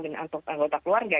dan atau anggota keluarga